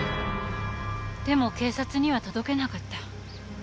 でも警察には届けなかった。